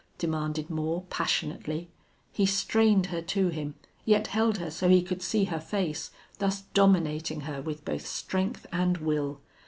demanded Moore, passionately. He strained her to him, yet held her so he could see her face, thus dominating her with both strength and will.